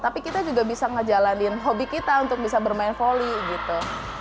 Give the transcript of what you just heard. tapi kita juga bisa ngejalanin hobi kita untuk bisa bermain volley gitu